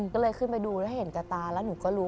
ก็เลยขึ้นไปดูแล้วเห็นกับตาแล้วหนูก็รู้